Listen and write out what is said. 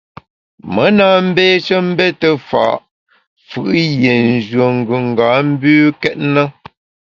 Me na mbeshe mbete fa’ fù’ yie nyùen gùnga mbükét na.